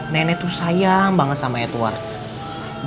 nenek tuh sayang banget sama edward